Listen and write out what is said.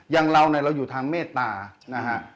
อย่างเราเนี่ยเราอยู่ทางเมตตานะฮะ